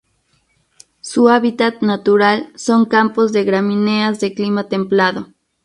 Su hábitat natural son campos de gramíneas de clima templado.